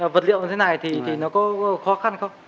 vật liệu như thế này thì nó có khó khăn không